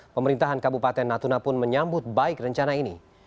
pemerintahan kabupaten natuna pun menyambut baik rencana ini